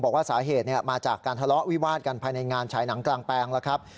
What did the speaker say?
บอกว่าสาเหตุมาจากการทะเลาะวิวาดกันภายในงานฉายหนังกลางแปลงแล้วครับ